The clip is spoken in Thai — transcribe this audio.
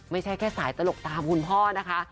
ไม่ใช่แค่สายตลกตามคุณพ่อนะคะ